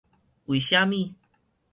為什麼